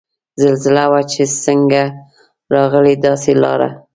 زلزله وه چه څنګ راغله داسے لاړه